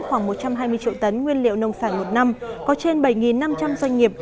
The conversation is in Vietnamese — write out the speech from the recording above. khoảng một trăm hai mươi triệu tấn nguyên liệu nông sản một năm có trên bảy năm trăm linh doanh nghiệp